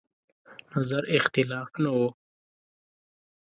نظر اختلاف نه و.